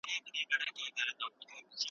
که کتابتون فعال وای نو معلومات به نه و کم سوي.